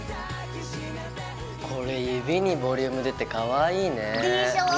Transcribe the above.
これ指にボリューム出てかわいいね。でしょ！